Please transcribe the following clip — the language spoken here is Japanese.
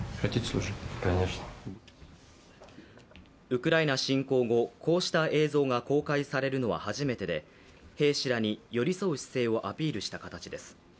ウクライナ侵攻後、こうした映像が公開されるのは初めてで兵士らに寄り添う姿勢をアピールした形です。